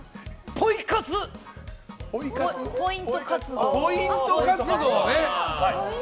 ポイント活動。